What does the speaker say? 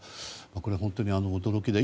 これは本当に驚きで。